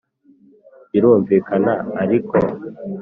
Birumvikana ariko